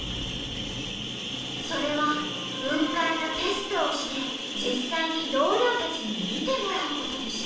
それは雲海のテストをして実際に同僚たちに見てもらうことでした。